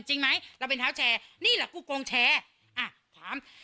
จริงไหมเราเป็นเท้าแชร์นี่แหละกูโกงแชร์อ่ะถาม